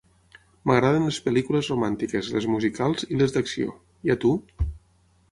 M'agraden les pel·lícules romàntiques, les musicals i les d'acció. I a tu?